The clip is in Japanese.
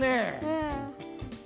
うん。